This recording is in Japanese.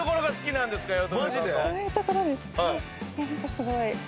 すごい。